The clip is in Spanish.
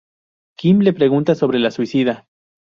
Kim le pregunta sobre la suicida.